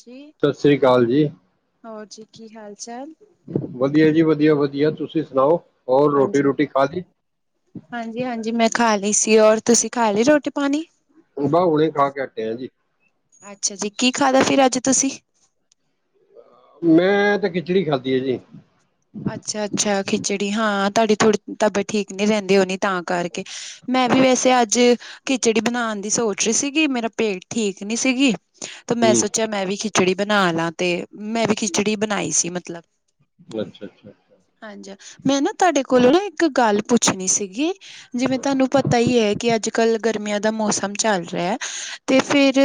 ਜੀ, ਸਤਿ ਸ਼੍ਰੀ ਅਕਾਲ ਜੀ, ਹੋਰ ਜੀ ਕੀ ਹਾਲ ਚਾਲ? ਵਧੀਆ ਜੀ, ਵਧੀਆ-ਵਧੀਆ ਤੁਸੀਂ ਸੁਣਾਓ? ਹੋਰ ਰੋਟੀ ਰੁਟੀ ਖਾ ਲਈ? ਹਾਂਜੀ-ਹਾਂਜੀ, ਮੈਂ ਖਾ ਲਈ ਸੀ ਔਰ ਤੁਸੀਂ ਖਾ ਲਈ ਰੋਟੀ ਪਾਣੀ? ਹੁਣ ਹੁਣੇ ਖਾ ਕੇ ਹੱਟਿਆ ਜੀ। ਅੱਛਾ ਜੀ ਕੀ, ਖਾਦਾ ਫਿਰ ਅੱਜ ਤੁਸੀਂ? ਮੈਂ ਤੇ ਖਿਚੜੀ ਖਾਧੀ ਆ ਜੀ। ਅੱਛਾ-ਅੱਛਾ, ਖਿਚੜੀ ਹਾਂ ਤੁਹਾਡੀ ਥੋੜੀ ਤਬੀਅਤ ਠੀਕ ਨੀ ਰਹਿੰਦੀ ਹੋਣੀ ਤਾਂ ਕਰਕੇ। ਮੈਂ ਵੀ ਵੈਸੇ ਅੱਜ ਖਿਚੜੀ ਬਣਾਣ ਦੀ ਸੋਚ ਰਹੀ ਸੀਗੀ। ਮੇਰਾ ਪੇਟ ਠੀਕ ਨੀ ਸੀਗੀ। ਤੇ ਮੈਂ ਹੂੰ ਸੋਚਿਆ ਮੈਂ ਵੀ ਖਿਚੜੀ ਬਣਾ ਲਾ ਤੇ ਮੈਂ ਵੀ ਖਿਚੜੀ ਬਣਾਈ ਸੀ ਮਤਲਬ। ਅੱਛਾ-ਅੱਛਾ, ਹਾਂਜੀ, ਮੈਂ ਨਾ ਤੁਹਾਡੇ ਕੋਲੋਂ ਨਾ ਇੱਕ ਗੱਲ ਪੁੱਛਣੀ ਸੀਗੀ। ਜਿਵੇਂ ਤੁਹਾਨੂੰ ਪਤਾ ਈ ਐ ਕਿ ਅੱਜ ਅੱਜ-ਕੱਲ੍ਹ, ਗਰਮੀਆਂ ਦਾ ਮੌਸਮ ਚੱਲ ਰਿਹਾ ਤੇ ਫਿਰ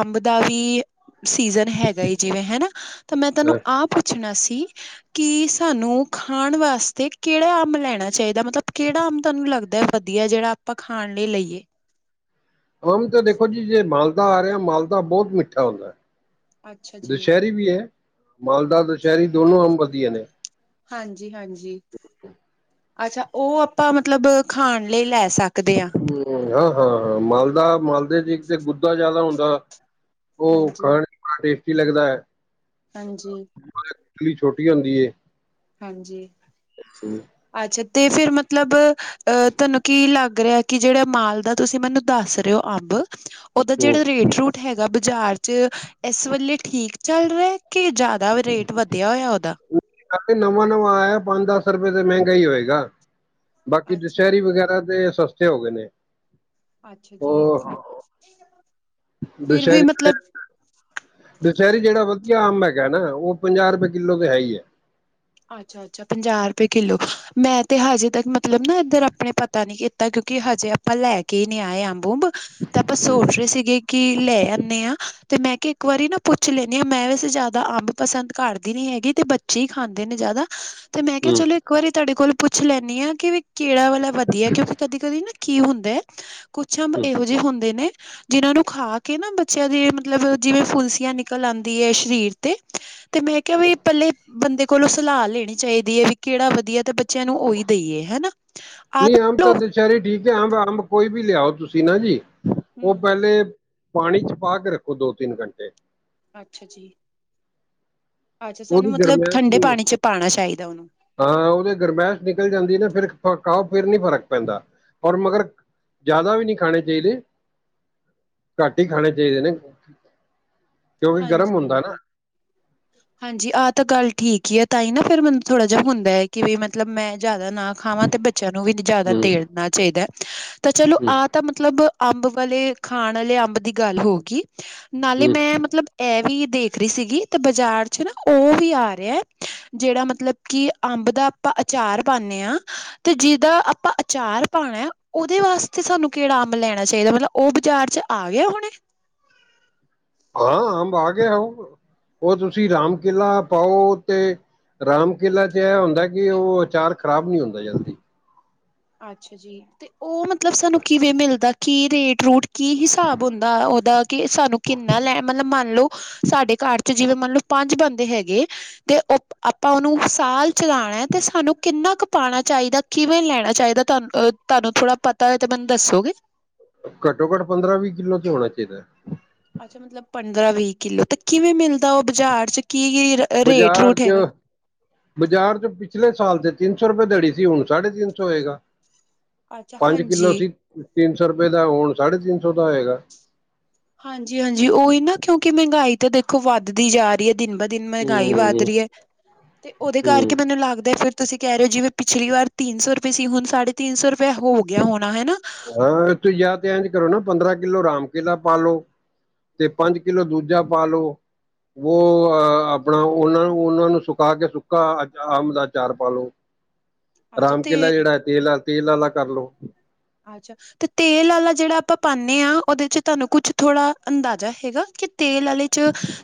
ਅੰਬ ਦਾ ਵੀ ਸੀਜਨ ਹੈਗਾ ਜਿਵੇਂ ਹਨਾ ਤਾਂ ਮੈਂ ਤੁਹਨੂੰ ਅੱਛਾ। ਅਹ, ਆਹ ਪੁੱਛਣਾ ਸੀ ਕਿ ਤੁਹਾਨੂੰ ਖਾਣ ਵਾਸਤੇ ਕਿਹੜਾ ਅੰਬ ਲੈਣਾ ਚਾਹੀਦਾ ਮਤਲਬ ਕਿਹੜਾ ਅੰਬ ਤੁਹਾਨੂੰ ਲੱਗਦਾ ਵਧੀਆ ਜਿਹੜਾ ਆਪਾਂ ਖਾਣ ਲਈ ਲਈਏ। ਆਮ ਤਾਂ ਦੇਖੋ ਜੀ ਜੇ ਮਾਲਦਾ ਆ ਰਿਹਾ ਮਾਲਦਾ ਬਹੁਤ ਮਿੱਠਾ ਹੁੰਦਾ। ਅੱਛਾ ਜੀ ਦੁਸਹਿਰੀ ਵੀ ਐ ਮਾਲਦਾ ਦੁਸਹਿਰੀ ਦੋਨੋ ਅੰਬ ਵਧੀਆ ਨੇ। ਹਾਂਜੀ-ਹਾਂਜੀ, ਅੱਛਾ, ਉਹ ਆਪਾਂ ਮਤਲਬ ਖਾਣ ਲਈ ਲੈ ਸਕਦੇ ਆ। ਹੂੰ, ਹਾਂ-ਹਾਂ, ਹਾਂ ਮਾਲਦਾ ਮਾਲਦੇ ਚ ਇੱਕ ਤੇ ਗੁੱਦਾ ਜਿਆਦਾ ਹੁੰਦਾ। ਉਹ ਹਾਂਜੀ ਖਾਣ ਚ ਬੜਾ ਟੇਸਟੀ ਲੱਗਦਾ। ਹਾਂਜੀ, ਲੀ ਛੋਟੀ ਹੁੰਦੀ ਏ ਹਾਂਜੀ ਹਮ ਅੱਛਾ ਤੇ ਫੇਰ ਮਤਲਬ ਅਹ ਤੁਹਾਨੂੰ ਕੀ ਲੱਗ ਰਿਹਾ ਕਿ ਜਿਹੜਾ ਮਾਲ ਦਾ ਤੁਸੀਂ ਮੈਨੂੰ ਦੱਸ ਰਹੇ ਹੋ ਅੰਬ ਉਹਦਾ ਹੂੰ। ਜਿਹੜਾ ਰੇਟ ਰੂਟ ਹੈਗਾ ਬਾਜ਼ਾਰ 'ਚ ਇਸ ਵੇਲੇ ਠੀਕ ਚੱਲ ਰਿਹਾ ਕੀ ਜਿਆਦਾ ਰੇਟ ਵਧਿਆ ਹੋਇਆ ਉਹਦਾ ਕ ਨਵਾਂ ਨਵਾਂ ਆਇਆ ਪੰਜ ਦਸ ਰੁਪਏ ਤੇ ਮਹਿੰਗਾ ਹੀ ਹੋਏਗਾ ਬਾਕੀ ਅੱਛਾ ਦੁਸਹਿਰੀ ਵਗੈਰਾ ਤੇ ਸਸਤੇ ਹੋ ਗਏ ਨੇ ਅੱਛਾ ਜੀ ਉਹ ਫਿਰ ਵੀ ਦੁਸਹਿਰੀ ਮਤਲਬ ਦੁਸਹਿਰੀ ਜਿਹੜਾ ਵਧੀਆ ਆਮ ਹੈਗਾ ਨਾ ਉਹ ਪੰਜਾਹ ਰੁਪਏ ਕਿੱਲੋ ਤੇ ਹੈ ਹੀ ਹੈ ਅੱਛਾ ਅੱਛਾ ਪੰਜਾਹ ਰੁਪਏ ਕਿਲੋ ਮੈਂ ਤੇ ਹਜੇ ਤੱਕ ਮਤਲਬ ਨਾ ਇੱਧਰ ਆਪਣੇ ਪਤਾ ਨੀ ਕਿ ਤਾਂ ਕਿਉਂਕਿ ਹਜੇ ਆਪਾਂ ਲੈ ਕੇ ਹੀ ਨਹੀਂੀ ਆਏ ਆ ਬੂੰਬ ਤੇ ਆਪਾਂ ਸੋਚ ਰਹੇ ਸੀਗੇ ਕਿ ਲੈ ਆਦੇ ਹਾਂ ਤੇ ਮੈਂ ਕਿਹਾ ਇੱਕ ਵਾਰੀ ਨਾ ਪੁੱਛ ਲੈਂਦੀ ਹਾਂ ਮੈਂ ਵੈਸੇ ਜ਼ਿਆਦਾ ਅੰਬ ਪਸੰਦ ਕਰਦੀ ਨੀ ਹੈਗੀ ਤੇ ਬੱਚੇ ਹੀ ਖਾਂਦੀ ਨੇ ਜ਼ਿਆਦਾ ਤੇ ਮੈਂ ਕਿਹਾ ਹੂੰ ਚਲੋ ਇੱਕ ਵਾਰੀ ਤੁਹਾਡੇ ਕੋਲ ਪੁੱਛ ਲੈਂਦੀ ਆਾਂ ਕਿ ਵੀ ਕਿੜਾ ਵਾਲਾ ਵਧੀਆ ਕਿਉਂਕਿ ਕਦੀ ਕਦੀ ਨਾ ਕੀ ਹੁੰਦਾ ਹੈ ਕੁੱਛੰਬ ਹੂੰ ਇਹੋ ਜਿਹੇ ਹੁੰਦੇ ਨੇ ਜਿਹਨਾਂ ਨੂੰ ਖਾ ਕੇ ਨਾ ਬੱਚਿਆਂ ਦੀ ਮਤਲਬ ਜਿਵੇਂ ਫੁਲਸੀਆਂ ਨਿਕਲ ਆਉਂਦੀ ਹੈ ਸ਼ਰੀਰ ਤੇ ਤੇ ਮੈਂ ਕਿਹਾ ਵੀ ਪਹਿਲੇ ਬੰਦੇ ਕੋਲੋਂ ਸਲਾਹ ਲੈਣੀ ਚਾਹੀਦੀ ਏ। ਵੀ ਕਿਹੜਾ ਵਧੀਆ ਤੇ ਬੱਚਿਆਂ ਨੂੰ ਉਹੀ ਦੇਈਏ ਹੈਨਾ। ਆਹ [unintelligible] ਚਾਰੇ ਠੀਕ ਹੈ। ਅੰਬ, ਅੰਬ ਕੋਈ ਵੀ ਲਿਆਓ ਤੁਸੀਂ ਨਾ ਜੀ ਉਹ ਹਮ ਪਹਿਲੇ ਪਾਣੀ ਚ ਪਾ ਕੇ ਰੱਖੋ ਦੋ ਤਿੰਨ ਘੰਟੇ ਅੱਛਾ ਜੀ, ਅੱਛਾ ਸਾਨੂੰ ਉਹਦੀ ਮਤਲਬ ਗਰਮੈਸ਼ ਠੰਡੇ ਨੀ ਪਾਣੀ ਚ ਪਾਣਾ ਚਾਹੀਦਾ ਉਹਨੂੰ ਹਾਂ ਉਹਦੇ ਗਰਮਹਿਸ਼ ਨਿਕਲ ਜਾਂਦੀ ਨਾ ਫਿਰ ਫਕਾਓ ਫਿਰ ਨੀ ਫ਼ਰਕ ਪੈਂਦਾ ਔਰ ਮਗਰ ਜ਼ਿਆਦਾ ਵੀ ਨਹੀਂ ਖਾਣੇ ਚਾਹੀਦੇ। ਘੱਟ ਹੀ ਖਾਣੇ ਚਾਹੀਦੇ ਨੇ, ਕਿਉਂਕਿ ਹਾਂਜੀ ਗਰਮ ਹੁੰਦਾ ਨਾ। ਹਾਂਜੀ [inaudible] ਹਾਂਜੀ ਆਹ ਤਾਂ ਗੱਲ ਠੀਕ ਹੀ ਹੈ ਤਾਂ ਹੀ ਨਾ ਫ਼ਿਰ ਮੈਨੂੰ ਥੋੜ੍ਹਾ ਜਿਹਾ ਹੁੰਦਾ ਹੈ ਕਿ ਵੀ ਮਤਲਬ ਮੈਂ ਜ਼ਿਆਦਾ ਨਾ ਖਾਵਾਂ ਤੇ ਬੱਚਿਆਂ ਨੂੰ ਵੀ ਜ਼ਿਆਦਾ ਹੂੰ ਦੇਨਾ ਚਾਹੀਦਾ ਹੈ ਤਾਂ ਚਲੋ ਹੂੰ ਆ ਤਾਂ ਮਤਲਬ ਅੰਬ ਵਾਲੇ ਖਾਣ ਵਾਲੇ ਅੰਬ ਦੀ ਗੱਲ ਹੋ ਗਈ ਨਾਲੇ ਹੂੰ ਮੈਂ ਮਤਲਬ ਇਹ ਵੀ ਦੇਖ ਰਹੀ ਸੀਗੀ ਤੇ ਬਾਜ਼ਾਰ ਚ ਨਾ ਉਹ ਵੀ ਆ ਰਿਹਾ ਜਿਹੜਾ ਮਤਲਬ ਕਿ ਅੰਬ ਦਾ ਆਪਾਂ ਅਚਾਰ ਪਾਉਦੇ ਹਾਂ ਤੇ ਜਿਦਾ ਆਪਾਂ ਅਚਾਰ ਪਾਉਣਾ ਉਹਦੇ ਵਾਸਤੇ ਸਾਨੂੰ ਕਿਹੜਾ ਅੰਬ ਲੈਣਾ ਚਾਹੀਦਾ ਮਤਲਬ ਉਹ ਬਾਜ਼ਾਰ ਚ ਆ ਗਿਆ ਹੁਣੈ। ਹਾਂ ਅੰਬ ਆ ਗਿਆ ਹਾਊ, ਉਹ ਤੁਸੀਂ ਰਾਮ ਕੇਲਾ ਪਾਓ ਤੇ ਰਾਮ ਕੇਲਾ ਚ ਇਹ ਹੁੰਦਾ ਕਿ ਉਹ ਅਚਾਰ ਖ਼ਰਾਬ ਨੀ ਹੁੰਦਾ ਜਲਦੀ। ਅੱਛਾ ਜੀ, ਤੇ ਉਹ ਮਤਲਬ ਸਾਨੂੰ ਕਿਵੇਂ ਮਿਲਦਾ ਕੀ ਰੇਟ ਰੂਟ ਕੀ ਹਿਸਾਬ ਹੁੰਦਾ ਉਹਦਾ ਕਿ ਸਾਨੂੰ ਕਿੰਨਾ ਲੈ ਮਤਲਬ ਮੰਨ ਲਓ ਸਾਡੇ ਘਰ ਚ ਜਿਵੇਂ ਮੰਨਲਓ ਪੰਜ ਬੰਦੇ ਹੈਗੇ ਤੇ ਅਪ ਆਪਾਂ ਉਹਨੂੰ ਸਾਲ ਚਲਾਣੈ ਤੇ ਸਾਨੂੰ ਕਿੰਨਾ ਕੁ ਪਾਣਾ ਚਾਹੀਦਾ ਕਿਵੇਂ ਲੈਣਾ ਚਾਹੀਦਾ, ਤੁਹਾਨੂੰ ਅ ਤੁਹਾਨੂੰ ਥੋੜਾ ਪਤਾ ਹੋਏ ਤੇ ਮੈਨੂੰ ਦੱਸੋਗੇ। ਘੱਟੋ ਘੱਟ ਪੰਦਰਾਂ ਵੀਹ ਕਿੱਲੋ ਤੇ ਹੋਣਾ ਚਾਹੀਦੈ। ਅੱਛਾ ਮਤਲਬ ਪੰਦਰਾਂ ਵੀਹ ਕਿੱਲੋ ਤੇ ਕਿਵੇਂ ਮਿਲਦਾ ਉਹ ਬਾਜ਼ਾਰ ਚ ਕੀ, ਕੀ ਰੇਟ ਬਾਜ਼ਾਰ ਰੂਟ ਚ ਹੈਗਾ। ਬਾਜ਼ਾਰ ਚ ਪਿਛਲੇ ਸਾਲ ਤੇ ਤਿੰਨ ਸੌ ਰੁਪਏ ਦੜੀ ਸੀ ਹੁਣ ਸਾਢੇ ਤਿੰਨ ਸੌ ਹੋਏਗਾ। ਅੱਛਾ ਪੰਜ ਕਿੱਲੋ ਹਾਂਜੀ। ਸੀ ਤਿੰਨ ਸੌ ਰੁਪਏ ਦਾ ਹੁਣ ਸਾਢੇ ਤਿੰਨ ਸੌ ਦਾ ਹੋਏਗਾ। ਹਾਂਜੀ, ਹਾਂਜੀ ਉਹੀ ਨਾ ਕਿਉਂਕਿ ਮਹਿੰਗਾਈ ਤਾਂ ਦੇਖੋ ਵੱਧਦੀ ਜਾ ਰਹੀ ਦਿਨ ਬ ਦਿਨ ਮਹਿੰਗਾਈ ਵੱਧ ਹੂੰ ਰਹੀ ਏ। ਤੇ ਉਹਦੇ ਹੂੰ ਕਰਕੇ ਮੈਨੂੰ ਲੱਗਦਾ ਫਿਰ ਤੁਸੀਂ ਕਹਿ ਰਹੇ ਓ ਜਿਵੇਂ ਪਿਛਲੀ ਵਾਰ ਤਿੰਨ ਸੌ ਰੁਪਏ ਸੀ ਹੁਣ ਸਾਢੇ ਤਿੰਨ ਸੌ ਰੁਪਏ ਹੋ ਗਿਆ ਹੋਣਾ ਹੈਨਾ ਹਾਂ, ਤੁਸੀਂ ਜਾਂ ਤੇ ਇੰਝ ਕਰੋ ਨਾ ਪੰਦਰਾਂ ਕਿੱਲੋ ਰਾਮ ਕੇਲਾ ਪਾ ਲੋ ਤੇ ਪੰਜ ਕਿਲੋ ਦੂਜਾ ਪਾ ਲੋ। ਵੋ ਅ ਆਪਣਾ ਉਹਨਾਂ ਨੂੰ ਉਹਨਾਂ ਨੂੰ ਸੁਕਾ ਕੇ ਸੁੱਕਾ ਅਚ ਅੰਮ ਦਾ ਅਚਾਰ ਪਾ ਲੋ। ਅੱਛਾ ਰਾਮ ਕੇਲਾ ਤੇ ਜਿਹੜਾ ਐ ਤੇਲ ਤੇਲ ਆਲਾ ਕਰਲੋ। ਅੱਛਾ। ਤੇ ਤੇਲ ਆਲਾ ਜਿਹੜਾ ਆਪਾਂ ਪਾਨੇ ਆ ਉਹਦੇ ਚ ਤੁਹਾਨੂੰ ਕੁਛ ਥੋੜ੍ਹਾ ਅੰਦਾਜ਼ਾ ਹੈਗਾ ਕਿ ਤੇਲ ਆਲੇ ਚ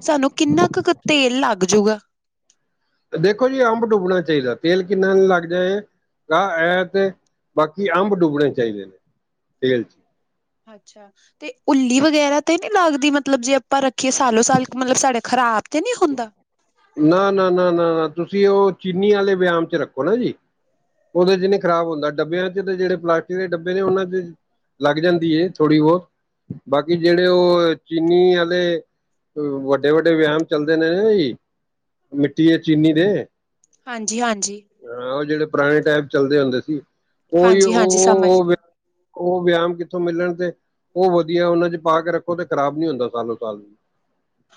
ਸਾਨੂੰ ਕਿੰਨਾ ਕ ਤੇਲ ਲੱਗ ਜੂਗਾ। ਦੇਖੋ ਜੀ, ਅੰਬ ਡੁੱਬਣਾ ਚਾਹੀਦਾ ਤੇਲ ਕਿੰਨਾ ਲੱਗ ਜਾਏ ਆ ਇਹ ਤੇ ਬਾਕੀ ਅੰਬ ਡੁੱਬਣੇ ਚਾਹੀਦੇ ਨੇ ਤੇਲ ਚ। ਅੱਛਾ। ਤੇ ਉੱਲੀ ਵਗੈਰਾ ਤੇ ਨੀ ਲੱਗਦੀ ਮਤਲਬ ਜੇ ਆਪਾਂ ਰੱਖੀਏ ਸਾਲੋ ਸਾਲ ਮਤਲਬ ਸਾਡੇ ਖ਼ਰਾਬ ਤੇ ਨੀ ਹੁੰਦਾ। ਨਾ, ਨਾ, ਨਾ, ਨਾ, ਨਾ ਤੁਸੀਂ ਉਹ ਚੀਨੀ ਵਾਲੇ ਵਿਆਮ ਚ ਰੱਖੋ ਨਾ ਜੀ। ਉਹਦੇ ਚ ਨੀ ਖਰਾਬ ਹੁੰਦਾ ਡੱਬਿਆਂ ਚ ਤੇ ਜਿਹੜੇ ਪਲਾਸਟਿਕ ਦੇ ਡੱਬੇ ਨੇ ਉਹਨਾਂ ਚ ਲੱਗ ਜਾਂਦੀ ਏ ਥੋੜੀ ਬਹੁਤ ਬਾਕੀ ਜਿਹੜੇ ਉਹ ਚੀਨੀ ਆਲੇ ਵੱਡੇ-ਵੱਡੇ, ਵਿਆਮ ਚੱਲਦੇ ਨੇ ਨਾ ਜੀ ਮਿੱਟੀ ਦੇ ਚੀਨੀ ਦੇ ਹਾਂਜੀ-ਹਾਂਜੀ। ਹਾਂ ਉਹ ਜਿਹੜੇ ਪੁਰਾਣੇ ਟਾਈਮ ਚੱਲਦੇ ਹੁੰਦੇ ਸੀ। ਉਹੀ ਹਾਂਜੀ ਉਹ ਹਾਂਜੀ ਸਮਝ ਗਈ ਓ-ਓ ਉਹ ਵਿਆਮ ਕਿੱਥੋਂ ਮਿਲਣ ਤੇ ਉਹ ਵਧੀਆ ਉਹਨਾਂ ਚ ਪਾ ਕੇ ਰੱਖੋ ਤੇ ਖਰਾਬ ਨੀ ਹੁੰਦਾ ਸਾਲੋ-ਸਾਲ।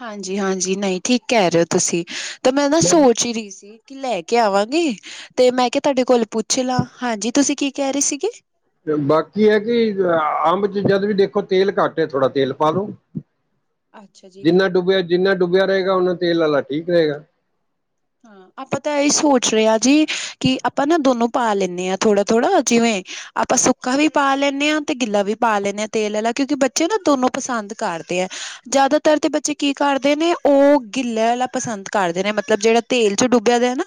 ਹਾਂਜੀ-ਹਾਂਜੀ ਨਹੀਂ ਠੀਕ ਕਹਿ ਰਹੇ ਹੋ, ਤੁਸੀਂ ਤਾਂ ਮੈਂ ਨਾ ਸੋਚ ਹੀ ਰਹੀ ਸੀ। ਕੀ ਲੈ ਕੇ ਆਵਾਂਗੇ, ਤੇ ਮੈਂ ਕਿਹਾ ਤੁਹਾਡੇ ਕੋਲ ਪੁੱਛ ਲਾਂ ਹਾਂਜੀ ਤੁਸੀਂ ਕੀ ਕਹਿ ਰਹੇ ਸੀਗੇ। ਬਾਕੀ ਹੈ ਕਿ ਅੰਬ ਚ ਜਦ ਵੀ ਦੇਖੋ ਤੇਲ ਘੱਟ ਹੈ ਥੋੜਾ ਤੇਲ ਪਾ ਲੋ ਅੱਛਾ [inaudible] ਜੀ ਜਿੰਨਾ ਡੁੱਬਿਆ ਜਿੰਨਾ ਡੁੱਬਿਆ ਰਹੇਗਾ ਓਨਾ ਤੇਲ ਵਾਲਾ ਠੀਕ ਰਹੇਗਾ। ਹਾਂ ਆਪਾਂ ਤਾਂ ਇਹਹੀ ਸੋਚ ਰਹੇ ਹਾਂ ਜੀ, ਕਿ ਆਪਾਂ ਨਾ ਦੋਨੋ ਪਾ ਲੈਂਦੇ ਹਾਂ ਥੋੜਾ-ਥੋੜਾ ਜਿਵੇਂ ਆਪਾਂ ਸੁੱਕਾ ਵੀ ਪਾ ਲੈਂਦੇ ਹਾਂ, ਤੇ ਗਿੱਲਾ ਵੀ ਪਾ ਲੈਂਦੇ ਹਾਂ ਤੇਲ ਵਾਲਾ ਕਿਉਂਕਿ ਬੱਚੇ ਨਾ ਦੋਨੋਂ ਪਸੰਦ ਕਰਦੇ ਆ। ਜ਼ਿਆਦਾਤਰ ਤੇ ਬੱਚੇ ਕੀ ਕਰਦੇ ਨੇ ਉਹ ਗਿੱਲਲੇ ਵਾਲਾ ਪਸੰਦ ਕਰਦੇ ਨੇ ਮਤਲਬ ਜਿਹੜਾ ਤੇਲ ਚ ਡੁੱਬਿਆ ਦੇ ਨਾ,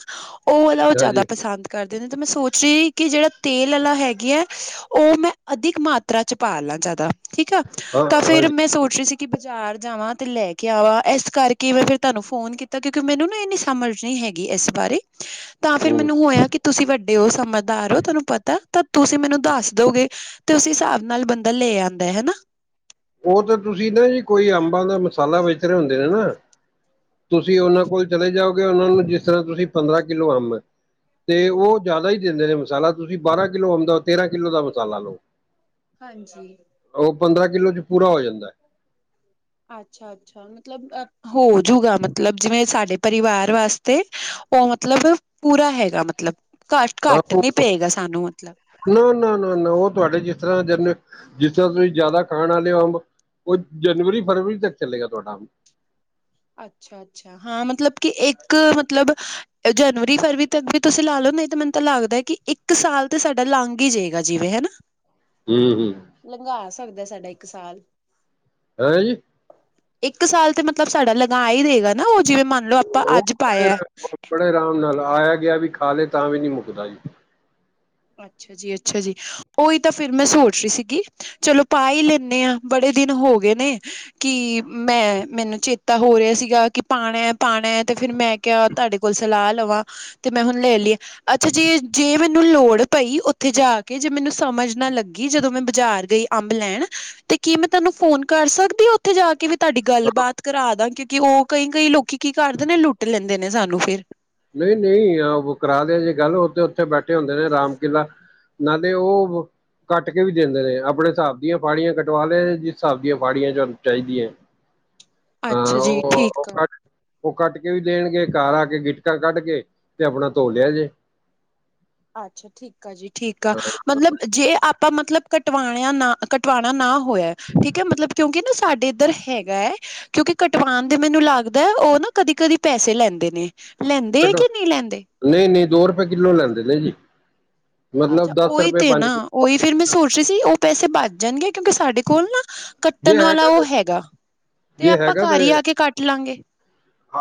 ਉਹ ਵਾਲਾ ਉਹ ਜ਼ਿਆਦਾ ਹਾਂਜੀ ਪਸੰਦ ਕਰਦੇ ਨੇ ਤੇ ਮੈਂ ਸੋਚ ਰਹੀ ਕਿ ਜਿਹੜਾ ਤੇਲ ਵਾਲਾ ਹੈਗੀ ਹੈ, ਉਹ ਮੈਂ ਅਧਿਕ ਮਾਤ [unintelligible] ਾਂ ਚ ਪਾ ਲਾ ਜਿਆਦਾ ਠੀਕ ਆ ਹਾਂ ਤਾਂ ਫੇਰ, ਹਾਂਜੀ ਮੈਂ ਸੋਚ ਰਹੀ ਸੀ। ਕਿ ਬਾਜ਼ਾਰ ਜਾਵਾਂ ਤੇ ਲੈ ਕੇ ਆਵਾਂ ਇਸ ਕਰਕੇ ਮੈਂ ਫਿਰ ਤੁਹਾਨੂੰ ਫੋਨ ਕੀਤਾ। ਕਿਉਂਕਿ ਮੈਨੂੰ ਨਾ ਇਹਨੀ ਸਮਝ ਨਹੀਂ ਹੈਗੀ, ਇਸ ਬਾਰੇ ਤਾਂ ਫਿਰ ਹੂੰ ਮੈਨੂੰ ਹੋਇਆ ਕਿ ਤੁਸੀਂ ਵੱਡੇ ਹੋ ਸਮ ਦਾਰ ਓ ਤੁਹਾਨੂੰ ਪਤਾ ਤਾਂ ਤੁਸੀਂ ਮੈਨੂੰ ਦੱਸ ਦੋਗੇ ਤੇ ਉਸ ਹਿਸਾਬ ਨਾਲ ਬੰਦਾ ਲੈ ਆਂਦਾ ਹਨਾ ਉਹ ਤਾਂ ਤੁਸੀਂ ਨਾ ਜੀ ਕੋਈ ਅੰਬਾਂ ਦਾ ਮਸਾਲਾ ਵੇਚ ਰਹੇ ਹੁੰਦੇ ਨੇ ਨਾ ਤੁਸੀਂ ਉਹਨਾਂ ਕੋਲ ਚਲੇ ਜਾਓਗੇ ਉਹਨਾਂ ਨੂੰ ਜਿਸ ਤਰ੍ਹਾਂ ਤੁਸੀਂ ਪੰਦਰਾਂ ਕਿਲੋ ਅਮ ਐ ਤੇ ਉਹ ਜ਼ਿਆਦਾ ਹੀ ਦਿੰਦੇ ਨੇ ਮਸਾਲਾ ਤੁਸੀਂ ਬਾਰਾਂ ਕਿੱਲੋ ਆਉਂਦਾ ਉਹ ਤੇਰਾਂ ਕਿੱਲੋ ਦਾ ਮਸਾਲਾ [inaudible] ਹਾਂਜੀ। ਉਹ ਪੰਦਰਾਂ ਕਿੱਲੋ ਚ ਪੂਰਾ ਹੋ ਜਾਂਦਾ। ਅੱਛਾ-ਅੱਛਾ ਮਤਲਬ ਅ ਹੋਜੂਗਾ ਮਤਲਬ, ਜਿਵੇਂ ਸਾਡੇ ਪਰਿਵਾਰ ਵਾਸਤੇ ਉਹ ਮਤਲਬ ਪੂਰਾ ਹੈਗਾ ਮਤਲਬ, ਘੱਟ ਘੱਟ ਨੀ ਪਏਗਾ ਸਾਨੂੰ ਮਤਲਬ ਨਾ ਨਾ ਨਾ ਨਾ ਉਹ ਤੁਹਾਡੇ ਜਿਸ ਤਰ੍ਹਾਂ ਜਨੇ ਜਿਸ ਤਰ੍ਹਾਂ ਤੁਸੀਂ ਜ਼ਿਆਦਾ ਖਾਣ ਵਾਲੇ ਹੋ ਅੰਬ ਉਹ ਜਨਵਰੀ - ਫਰਵਰੀ ਤੱਕ ਚਲੇਗਾ ਤੁਹਾਡਾ ਅੱਛਾ-ਅੱਛਾ ਹਾਂ ਮਤਲਬ, ਕਿ ਇੱਕ ਮਤਲਬ ਜਨਵਰੀ-ਫਰਵਰੀ ਤੱਕ ਵੀ ਤੁਸੀਂ ਲਾ ਲਓ ਨਹੀਂ ਤੇ ਮੈਨੂੰ ਤਾਂ ਲੱਗਦਾ ਕਿ ਇੱਕ ਸਾਲ ਤੇ ਸਾਡਾ ਲੰਘ ਹੀ ਜਾਏਗਾ ਜਿਵੇਂ ਹਨਾ ਹਮ-ਹਮ, ਲੰਘਾ ਸਕਦਾ ਸਾਡਾ ਇੱਕ ਸਾਲ ਹੈ ਜੀ, [inaudible] ਇੱਕ ਸਾਲ ਤੇ ਮਤਲਬ ਸਾਡਾ ਲਗਾ ਹੀ ਰਹੇਗਾ। ਨਾ ਉਹ ਜਿਵੇਂ ਮੰਨ ਲਓ, ਆਪਾਂ ਉਹ ਅੱਜ ਬੜੇ ਪਾਇਆ ਬੜੇ ਆਰਾਮ ਨਾਲ ਆਇਆ ਗਿਆ ਵੀ ਖਾ ਲੇ ਤਾਂ ਵੀ ਨਹੀਂ ਮੁੱਕਦਾ ਜੀ। ਅੱਛਾ ਜੀ, ਅੱਛਾ ਜੀ। ਉਹੀ ਤਾਂ ਫਿਰ ਮੈਂ ਸੋਚ ਰਹੀ ਸੀਗੀ, ਚਲੋ ਪਾ ਈ ਲੈਂਨੇ ਹਾਂ ਬੜੇ ਦਿਨ ਹੋ ਗਏ ਨੇ ਕਿ ਮੈਂ-ਮੈਨੂੰ ਚੇਤਾ ਹੋ ਰਿਹਾ ਸੀਗਾ ਕਿ ਪਾਣੈ-ਪਾਣੈ ਤੇ ਫਿਰ ਮੈਂ ਕਿਆ ਤੁਹਾਡੇ ਕੋਲ ਸਲਾਹ ਲਵਾਂ, ਤੇ ਮੈਂ ਹੁਣ ਲੈ ਲੀ, ਅੱਛਾ ਜੇ -ਜੇ ਮੈਨੂੰ ਲੋੜ ਪਈ ਉੱਥੇ ਜਾ ਕੇ ਜੇ ਮੈਨੂੰ ਸਮਝ ਨਾ ਲੱਗੀ, ਜਦੋਂ ਮੈਂ ਬਾਜ਼ਾਰ ਗਈ ਅੰਬ ਲੈਣ। ਤੇ ਕੀ ਮੈਂ ਤੇਨੂ ਫੋਨ ਕਰ ਸਕਦੀ ਆ ਉੱਥੇ ਜਾ ਕੇ ਵੀ ਤਾਡੀ ਗੱਲਬਾਤ ਕਰਾ ਦਾ, ਕਿਉਂਕਿ ਉਹ, ਕਈ ਕਈ ਲੋਕੀ ਕੀ ਕਰਦੇ ਨੇ ਲੁੱਟ ਲੈਂਦੇ ਨੇ ਸਾਨੂੰ ਫਿਰ। ਨਹੀਂ ਨਹੀਂ, ਕਰਾ ਦੇ ਜੇ ਗੱਲ, ਉਹ ਤੇ ਉੱਥੇ ਬੈਠੇ ਹੁੰਦੇ ਨੇ ਰਾਮ ਕੇਲਾ ਨਾਲੇ ਉਹ ਕੱਟ ਕੇ ਵੀ ਦਿੰਦੇ ਨੇ। ਆਪਣੇ ਸਾਬ ਦੀਆਂ ਫਾੜੀਆਂ ਕਟਵਾ ਲਏ, ਜਿਸ ਸਾਬ ਦੀਆਂ ਫਾੜੀਆਂ ਚ ਚਾਹੀਦੀਆਂ। ਹਾਂ ਅੱਛਾ ਜੀ ਉਹ, ਉਹ ਠੀਕ ਆ ਕੱ, ਉਹ ਕੱਟ ਕੇ ਵੀ ਦੇਣਗੇ ਘਰ ਆ ਕੇ ਗਿੱਟ ਟਾਂ ਕੱਢ ਕੇ, ਤੇ ਆਪਣਾ ਧੋ ਲਿਆ ਜੇ। ਅੱਛਾ, ਠੀਕ ਆ ਜੀ, ਠੀਕ ਆ, ਹਾਂ ਮਤਲਬ ਜੇ ਆਪਾਂ ਮਤਲਬ ਕਟਵਾਣਿਆਂ ਨਾ ਕਟਵਾਉਣਾ ਨਾ ਹੋਇਆ, ਠੀਕ ਹੈ ਮਤਲਬ ਕਿਉਂਕਿ ਨਾ ਸਾਡੀ ਇੱਧਰ ਹੈਗਾ ਹੈ, ਕਿਉਂਕਿ ਕਟਵਾਨ ਦੇ ਮੈਨੂੰ ਲੱਗਦਾ ਹੈ ਉਹ ਨਾ ਕਦੀ ਕਦੀ ਪੈਸੇ ਲੈਂਦੇ ਨੇ। ਲੈਂਦੇ ਕਟ ਕਿ ਨੀ ਲੈਂਦੇ। ਨਹੀਂ ਨਹੀਂ ਦੋ ਰੁਪਏ ਕਿੱਲੋ ਲੈਂਦੇ ਨੇ ਜੀ, ਅੱਛਾ ਮਤਲਬ ਦਸ ਉਹੀ ਰੁਪਏ ਤੇ ਪੰਜ ਨਾ ਕਿ ਉਹੀ ਫਿਰ ਮੈਂ ਸੋਚ ਰਹੀ ਸੀ, ਉਹ ਪੈਸੇ ਬੱਚ ਜਾਣਗੇ ਕਿਉਂਕਿ ਸਾਡੇ ਕੋਲ ਨਾ ਜੇ ਕੱਟਣ ਵਾਲਾ ਹੈਗਾ ਤੇ ਉਹ ਹੈਗਾ, ਤੇ ਜੇ ਆਪਾਂ ਹੈਗਾ ਘਰ ਤੇ ਹੀ ਆ ਕੇ ਕੱਟ ਲਾਂਗੇ।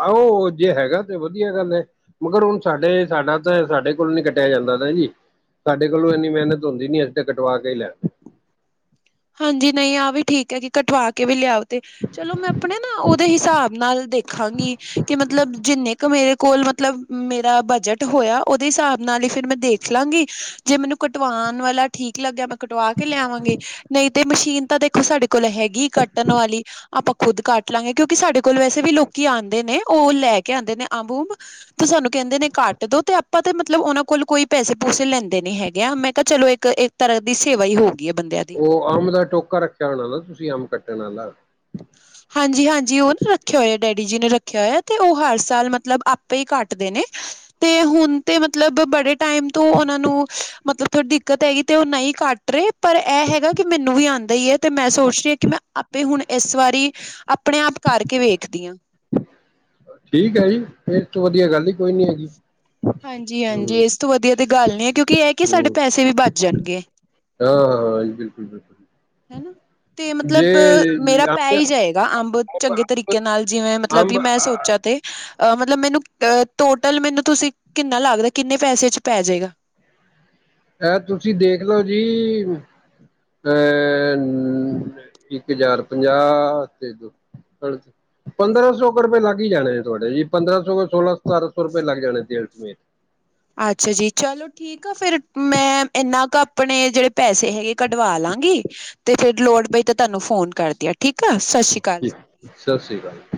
ਆਹੋ ਜੇ ਹੈਗਾ ਤੇ ਵਧੀਆ ਗੱਲ ਐ। ਮਗਰ ਹੁਣ ਸਾਡੇ ਸਾਡਾ ਤਾਂ ਸਾਡੇ ਕੋਲ ਨੀ ਕੱਟਿਆ ਜਾਂਦਾ ਨਾ ਜੀ। ਸਾਡੇ ਕੋਲੋਂ ਇੰਨੀ ਮਿਹਨਤ ਹੁੰਦੀ ਨੀ ਅਸੀਂ ਤੇ ਕਟਵਾ ਕੇ ਹੀ ਲਿਆਂਦੇ। ਹਾਂਜੀ, ਨਹੀਂ ਆਹ ਵੀ ਠੀਕ ਐ ਜੀ ਕਟਵਾ ਕੇ ਵੀ ਲਿਆਓ ਤੇ ਚਲੋ ਮੈਂ ਆਪਣੇ ਨਾ ਦੇ ਹਿਸਾਬ ਨਾਲ ਦੇਖਾਂਗੀ। ਕਿ ਮਤਲਬ ਜਿੰਨੇ ਕ ਮੇਰੇ ਕੋਲ ਮਤਲਬ ਮੇਰਾ ਬਜਟ ਹੋਇਆ ਉਹਦੇ ਹਿਸਾਬ ਨਾਲ ਹੀ ਫਿਰ ਮੈਂ ਦੇਖ ਲਾਂਗੀ ਜੇ ਮੈਨੂੰ ਕੱਟਵਾਣ ਵਾਲਾ ਠੀਕ ਲੱਗਿਆ ਮੈਂ ਕੱਟਵਾ ਕੇ ਲਿਆਵਾਂਗੀ। ਨਹੀਂ, ਤੇ ਮਸ਼ੀਨ ਤਾਂ ਦੇਖੋ ਸਾਡੇ ਕੋਲ ਹੈਗੀ ਕੱਟਣ ਵਾਲੀ। ਆਪਾਂ ਖੁੱਦ ਕੱਟ ਲਾਂਗੇ ਕਿਉਂਕਿ ਸਾਡੇ ਕੋਲ ਵੈਸੇ ਵੀ ਲੋਕੀ ਆਂਦੇ ਨੇ ਉਹ ਲੈ ਕੇ ਆਂਦੇ ਨੇ ਅੰਬ ਉਂਬ। ਤੇ ਸਾਨੂੰ ਕਹਿੰਦੇ ਨੇ ਕੱਟ ਦੋ, ਤੇ ਆਪਾਂ ਤੇ ਮਤਲਬ ਉਹਨਾਂ ਕੋਲ ਕੋਈ ਪੈਸੇ ਪੂਸੇ ਲੈਂਦੇ ਨੀ ਹੈਗੇ। ਆ ਮੈਂ ਕਿਹਾ ਚਲੋ ਇੱਕ ਇ ਤਰ੍ਹਾਂ ਦੀ ਸੇਵਾ ਹੀ ਹੋ ਗਈ ਏ ਬੰਦਿਆਂ ਦੀ। ਉਹ ਅੰਬ ਦਾ ਟੋਕਾ ਰੱਖਿਆ ਹੋਣਾ ਨਾ ਤੁਸੀਂ ਅੰਬ ਕੱਟਣ ਆਲਾ। ਹਾਂਜੀ-ਹਾਂਜੀ, ਉਹ ਨਾ ਰੱਖਿਆ ਹੋਇਆ ਡੈਡੀ ਜੀ ਨੇ ਰੱਖਿਆ ਹੋਇਆ ਤੇ ਉਹ ਹਰ ਸਾਲ ਮਤਲਬ ਆਪੇ ਹੀ ਕੱਟਦੇ ਨੇ। ਤੇ ਹੁਣ ਤੇ ਮਤਲਬ ਬੜੇ ਟਾਈਮ ਤੋਂ ਉਹਨਾਂ ਨੂੰ ਮਤਲਬ ਥੋੜੀ ਦਿੱਕਤ ਹੈਗੀ ਤੇ ਉਹ ਨਹੀਂ ਕੱਟ ਰੇ ਪਰ ਇਹ ਹੈਗਾ ਕਿ ਮੈਨੂੰ ਵੀ ਆਂਦਾ ਈ ਐ ਤੇ ਮੈਂ ਸੋਚ ਰਹੀ ਆ ਕਿ ਮੈਂ ਆਪੇ ਹੁਣ ਇਸ ਵਾਰੀ ਆਪਣੇ ਆਪ ਕਰਕੇ ਵੇਖਦੀ ਆ। ਠੀਕ ਹੈ ਜੀ, ਫਿਰ ਤੋਂ ਵਧੀਆ ਗੱਲ ਈ ਕੋਈ ਨੀ ਹੈਗੀ। ਹਾਂਜੀ-ਹਾਂਜੀ, ਹਮ ਇਸ ਤੋਂ ਵਧੀਆ ਤੇ ਗੱਲ ਨੀ ਹੈ ਕਿਉਂਕਿ ਇਹ ਆ ਕਿ ਸਾਡੇ ਪੈਸੇ ਵੀ ਬਚ ਜਾਣਗੇ। ਹਾਂ-ਹਾਂ, ਜੀ ਬਿਲਕੁਲ-ਬਿਲਕੁਲ, ਹੈਨਾ। ਤੇ ਮਤਲਬ ਮੇਰਾ ਪੈ ਅੰਬ ਹੀ ਜਾਏਗਾ ਅੰਬ ਚੰਗੇ ਤਰੀਕੇ ਨਾਲ ਜਿਵੇਂ ਮਤਲਬ ਕਿ ਅੰਬ ਮੈਂ ਸੋਚਾ ਤੇ ਅ ਮਤਲਬ ਮੈਨੂੰ ਅ ਟੋਟਲ ਮੈਨੂੰ ਤੁਸੀਂ ਕਿੰਨਾ ਲੱਗਦਾ ਕਿੰਨੇ ਪੈਸੇ ਚ ਪੈ ਜੇਗਾ। ਇਹ ਤੁਸੀਂ ਦੇਖਲੋ ਜੀ। ਅ ਇੱਕ ਹਜ਼ਾਰ ਪੰਜਾਹ ਤੇ ਦੋ ਹਾਂਜੀ ਪੰਦਰਾਂ ਸੌ ਕੁ ਰੁਪਏ ਲੱਗ ਹੀ ਜਾਣੇ ਤੁਹਾਡੇ ਜੀ ਪੰਦਰਾਂ ਸੌ ਸੋਲਾਂ ਸਤਾਰਾਂ ਸੌ ਰੁਪਏ ਲੱਗ ਜਾਣੇ ਤੇਲ ਸਮੇਤ ਅੱਛਾ ਜੀ ਚਲੋ। ਠੀਕ ਆ, ਫੇਰ ਮੈਂ ਇੰਨਾ ਕ ਆਪਣੇ ਜਿਹੜੇ ਪੈਸੇ ਹੈਗੇ ਕੱਢਵਾ ਲਾਂਗੀ। ਤੇ ਫੇਰ ਵੀ ਲੋੜ ਪਈ ਤਾਂ ਤੁਹਾਨੂੰ ਫੋਨ ਕਰਦੀ ਆ ਠੀਕ ਆ, ਸਤਿ ਸ੍ਰੀ ਅਕਾਲ ਜੀ। ਸਤਿ ਸ਼੍ਰੀ ਅਕਾਲ।